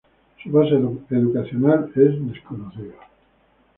Su base educacional es desconocida.